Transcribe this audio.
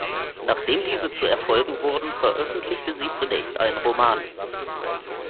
Nachdem diese zu Erfolgen wurden, veröffentlichte sie zunächst einen Roman.